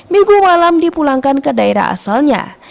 minggu malam dipulangkan ke daerah asalnya